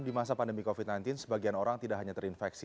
di masa pandemi covid sembilan belas sebagian orang tidak hanya terinfeksi